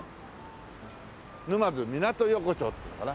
沼津港横丁っていうのかな？